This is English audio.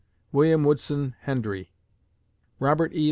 WILLIAM WOODSON HENDREE _Robert E.